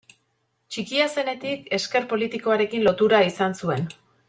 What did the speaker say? Txikia zenetik esker politikoarekin lotura izan zuen.